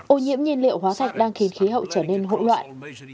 ô nhiễm nhiên liệu hóa thạch đang khiến khí hậu trở nên hỗn loạn